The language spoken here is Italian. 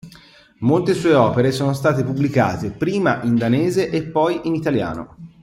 Molte sue opere sono state pubblicate prima in danese e poi in italiano.